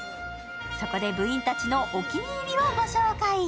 そこで部員たちのお気に入りをご紹介。